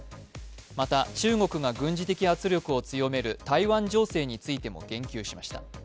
また中国が軍事的圧力を強める台湾情勢についても言及しました。